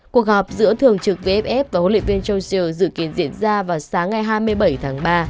cuộc gặp giữa thường trực vff và huấn luyện viên joe dự kiến diễn ra vào sáng ngày hai mươi bảy tháng ba